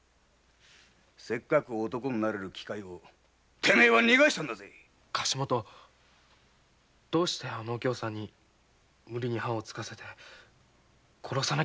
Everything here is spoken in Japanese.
せっかく男になれる機会をお前は逃がしたんだぜ貸元どうしてあのお京さんに無理に判をつかせて殺さなきゃいけないんですか？